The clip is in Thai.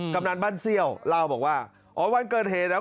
กรรมนานบ้านเซี่ยวเล่าบอกว่าวันเกิดเทเหรอนะ